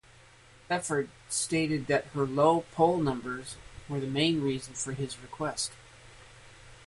Efford stated that her low poll numbers were the main reason for his request.